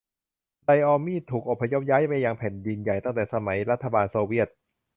ไดออมีด ถูกอพยพย้ายไปยังแผ่นดินใหญ่ตั้งแต่สมัยรัฐบาลโซเวียต